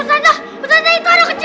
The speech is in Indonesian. eh ustazah ustazah itu ada kecoh